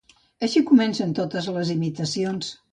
Així comencen totes les imitacions.